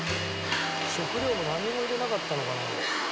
食料もなんにも入れなかったのかな。